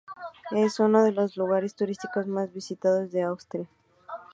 Es uno de los lugares turísticos más visitados de Austria.